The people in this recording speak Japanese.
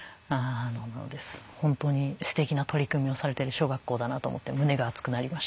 なので本当にすてきな取り組みをされている小学校だなと思って胸が熱くなりました。